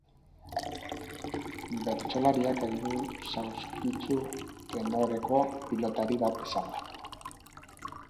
Bertsolariak heldu zauzkitzu tenoreko, pilotari bat bezala.